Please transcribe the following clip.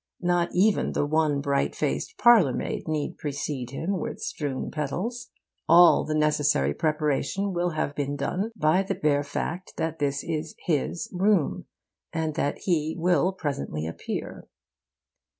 Not even the one bright faced parlourmaid need precede him with strewn petals. All the necessary preparation will have been done by the bare fact that this is his room, and that he will presently appear.